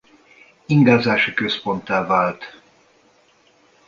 Ingázási központtá vált.